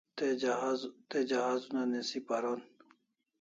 Te jahaz una nisi paron